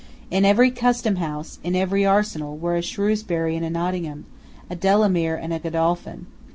In every customhouse, in every arsenal, were a Shrewsbury and a Nottingham, a Delamere and a Godolphin.